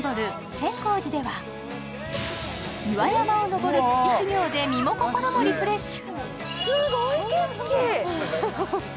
千光士では岩山を登るプチ修行で身も心もリフレッシュ。